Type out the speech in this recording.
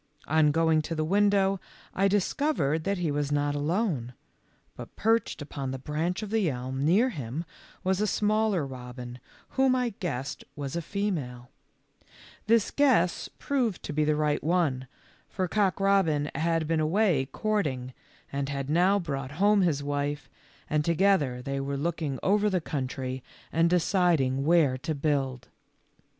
On going to the window I discovered that he was not alone, but perched upon the branch of the elm near him was a smaller robin, whom I guessed was a female. This 44 THE LITTLE FORESTERS. guess proved to be the right one, for Cock robin had been away courting, and had now brought home his wife, and together they were looking over the country and deciding where to build.